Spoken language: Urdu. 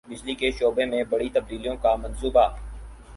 بجلی کے شعبے میں بڑی تبدیلوں کا منصوبہ